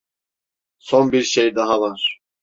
Son bir şey daha var.